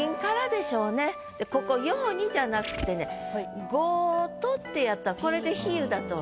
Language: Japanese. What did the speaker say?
ここ「様に」じゃなくてね「ごと」ってやったらこれでうわ。